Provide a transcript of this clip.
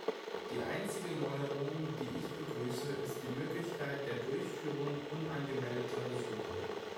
Die einzige Neuerung, die ich begrüße, ist die Möglichkeit der Durchführung unangemeldeter Besuche.